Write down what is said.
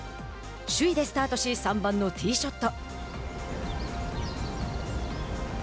首位でスタートし３番のティーショット。